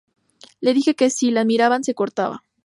Les dije que si la miraban se cortaba.